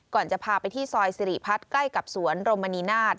จะพาไปที่ซอยสิริพัฒน์ใกล้กับสวนรมณีนาฏ